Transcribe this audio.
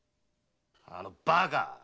あのバカっ！